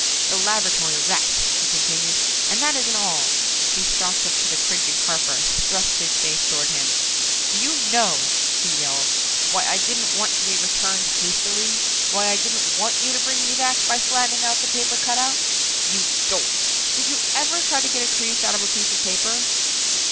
"The laboratory wrecked," he continued, "and that isn't all!" He stalked up to the cringing Harper, thrust his face toward him. "Do you know," he yelled, "why I didn't want to be returned hastily why I didn't want you to bring me back by flattening out the paper cutout? You dolt, did you ever try to get a crease out of a piece of paper?"